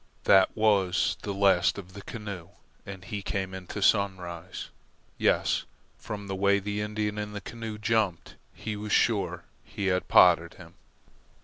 That was the last of the canoe, and he came on into Sunrise. Yes, from the way the Indian in the canoe jumped, he was sure he had potted him.